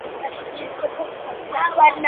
mila za Kabaka Kutopewa kipaumbele na utawala